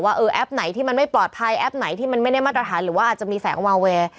เออแอปไหนที่มันไม่ปลอดภัยแอปไหนที่มันไม่ได้มาตรฐานหรือว่าอาจจะมีแสงวาเวย์